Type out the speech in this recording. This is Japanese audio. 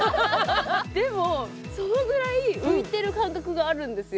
でも、そのぐらい浮いている感覚があるんですよ。